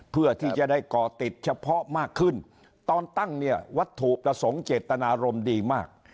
เพื่อที่จะได้ก่อติดเฉพาะมากขึ้นตอนตั้งเนี่ยวัตถุประสงค์เจตนารมณ์ดีมาก